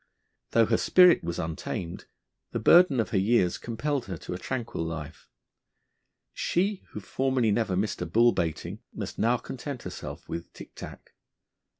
Though her spirit was untamed, the burden of her years compelled her to a tranquil life. She, who formerly never missed a bull baiting, must now content herself with tick tack.